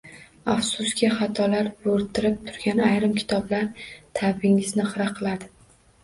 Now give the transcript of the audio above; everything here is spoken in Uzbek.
Afsuski xatolar bo‘rtib turgan ayrim kitoblar ta’bingizni xira qiladi.